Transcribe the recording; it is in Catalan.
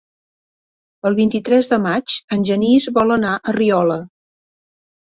El vint-i-tres de maig en Genís vol anar a Riola.